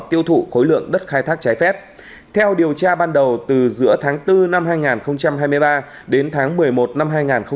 tiêu thụ khối lượng đất khai thác trái phép theo điều tra ban đầu từ giữa tháng bốn năm hai nghìn hai mươi ba